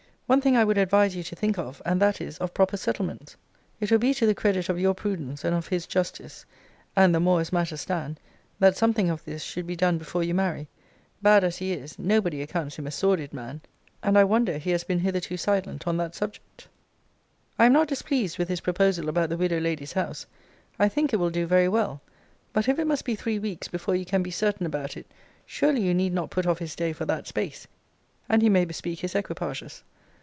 One thing I would advise you to think of; and that is, of proper settlements: it will be to the credit of your prudence and of his justice (and the more as matters stand) that something of this should be done before you marry. Bad as he is, nobody accounts him a sordid man. And I wonder he has been hitherto silent on that subject. I am not displeased with his proposal about the widow lady's house. I think it will do very well. But if it must be three weeks before you can be certain about it, surely you need not put off his day for that space: and he may bespeak his equipages.